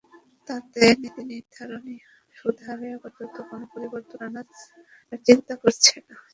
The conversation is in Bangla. তবে নীতিনির্ধারণী সুদ হারে আপাতত কোনো পরিবর্তন আনার চিন্তা করছে না।